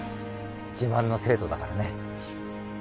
自慢の生徒だからね。